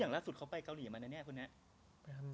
อย่างล่าสุดเขาไปเกาหลีมาแล้วเนี่ยคุณเนี่ย